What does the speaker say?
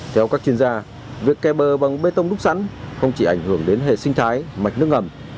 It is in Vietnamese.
theo các chuyên gia việc kè bờ bằng bê tông đúc sẵn không chỉ ảnh hưởng đến hệ sinh thái mạch nước ngầm